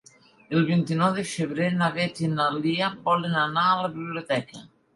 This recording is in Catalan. El vint-i-nou de febrer na Beth i na Lia volen anar a la biblioteca.